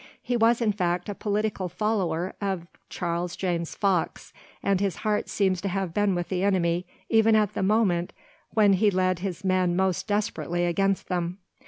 He was, in fact, a political follower of Charles James Fox, and his heart seems to have been with the enemy even at the moment when he led his men most desperately against them.